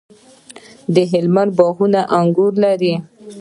د هلمند باغونه انګور لري.